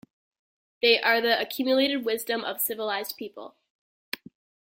They are the accumulated wisdom of a civilised people.